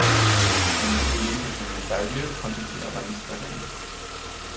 Eine olympische Medaille konnte sie aber nicht erringen.